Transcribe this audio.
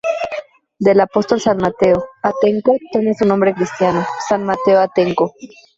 Del apóstol San Mateo, Atenco toma su nombre cristiano: San Mateo Atenco.